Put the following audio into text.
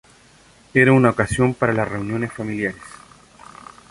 Era una ocasión para las reuniones familiares.